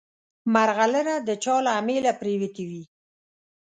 مرغلره د چا له امیله پرېوتې وي.